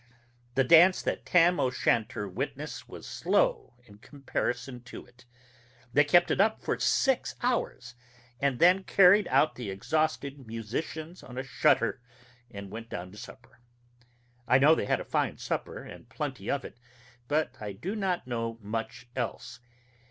The dance that Tam O'Shanter witnessed was slow in comparison to it. They kept it up for six hours, and then carried out the exhausted musicians on a shutter, and went down to supper. I know they had a fine supper, and plenty of it, but I do not know much else.